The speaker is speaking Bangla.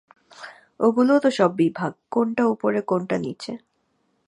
ওগুলোও তো সব বিভাগ– কোনোটা উপরে কোনোটা নীচে।